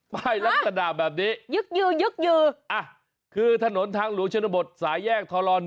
ป้ายลักษณะแบบนี้คือถนนทางหลวงชนบทสายแยกทร๑๐๙๑